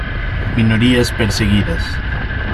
Minorías Perseguidas.